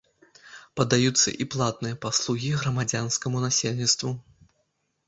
Падаюцца і платныя паслугі грамадзянскаму насельніцтву.